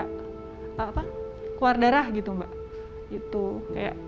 keluar darah gitu mbak